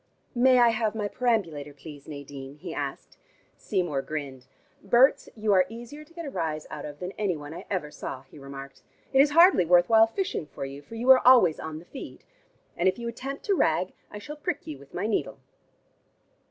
"May I have my perambulator, please, Nadine?" he asked. Seymour grinned. "Berts, you are easier to get a rise out of than any one I ever saw," he remarked. "It is hardly worth while fishing for you, for you are always on the feed. And if you attempt to rag, I shall prick you with my needle."